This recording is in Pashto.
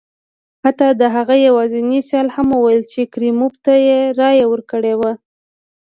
حتی د هغه یوازیني سیال هم وویل چې کریموف ته یې رایه ورکړې وه.